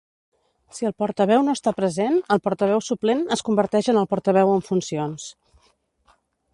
Si el portaveu no està present, el portaveu suplent es converteix en el portaveu en funcions.